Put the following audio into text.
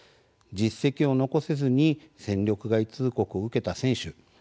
実績を残せずに戦力外通告を受けた選手。